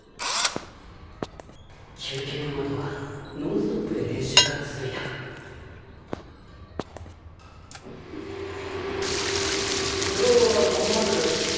休憩のあとはノンストップで練習が続いた今日はここまでです。